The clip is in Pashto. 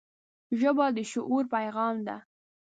ژبه د شعور پیغام ده